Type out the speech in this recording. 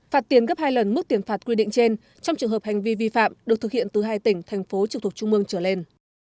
phạt tiền gấp hai lần mức tiền phạt quy định trên trong trường hợp hành vi vi phạm được thực hiện từ hai tỉnh thành phố trực thuộc trung mương trở lên